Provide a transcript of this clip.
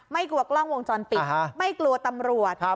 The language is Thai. ไม่กลัวกล้องวงจรปิดอ่าฮะไม่กลัวตำรวจครับ